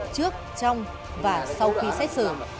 trước trong và sau khi xét xử